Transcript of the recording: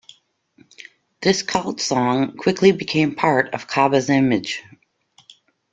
This cult song quickly became part of Kabba's image.